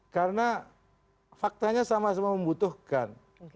karena faktanya sama sama membutuhkan